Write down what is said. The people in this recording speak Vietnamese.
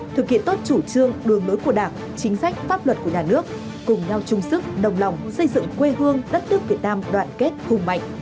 thực hiện tốt chủ trương đường lối của đảng chính sách pháp luật của nhà nước cùng nhau chung sức đồng lòng xây dựng quê hương đất nước việt nam đoàn kết cùng mạnh